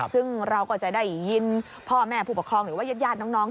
ซึ่งเราก็จะได้ยินพ่อแม่ผู้ปกครองหรือว่าญาติน้อง